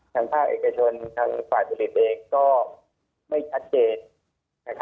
ทางภาคเอกชนทางฝ่ายผลิตเองก็ไม่ชัดเจน